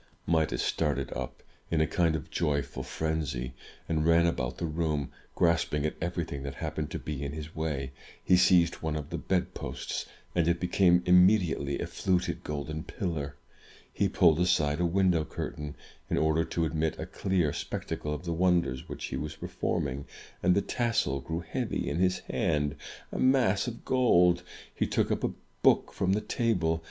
Midas started up, in a kind of joyful frenzy, and ran about the room, grasping at everything that happened to be in his way. He seized one of the bedposts, and it became immediately a fluted golden pillar. He pulled aside a window curtain, in order to admit a clear spectacle of the wonders which he was performing; and the tassel grew heavy in his hand, — a mass of gold. He took up a book from the table.